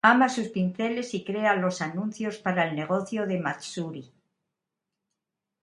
Ama sus pinceles y crea los anuncios para el negocio de Matsuri.